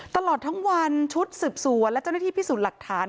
ตลอดทั้งวันชุดสืบสวนและเจ้าหน้าที่พิสูจน์หลักฐาน